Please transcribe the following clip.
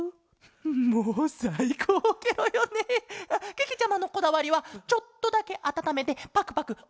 けけちゃまのこだわりはちょっとだけあたためてパクパクおくちに。